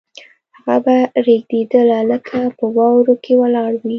هغه به رېږدېدله لکه په واورو کې ولاړه وي